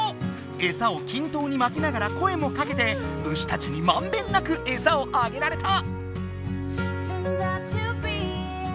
エサを均等にまきながら声もかけて牛たちにまんべんなくエサをあげられた。